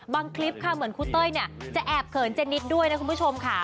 บางคลิปคาเหมือนคู่เต้ยจะแอบเคินเจนิสด้วยนะคุณผู้ชมค่ะ